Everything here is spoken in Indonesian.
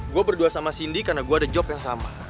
gue berdua sama cindy karena gue ada job yang sama